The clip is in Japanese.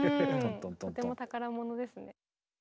とても宝物ですね。